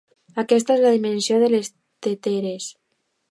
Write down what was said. Aquesta és la dimensió de les teteres.